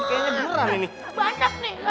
kayanya durah nih